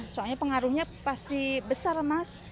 soalnya pengaruhnya pasti besar mas